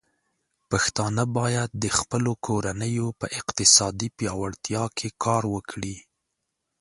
پښتانه بايد د خپلو کورنيو په اقتصادي پياوړتيا کې کار وکړي.